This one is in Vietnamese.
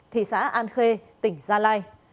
thị xã an khê tỉnh gia lai